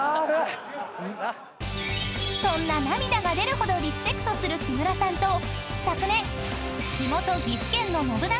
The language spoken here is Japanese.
［そんな涙が出るほどリスペクトする木村さんと昨年］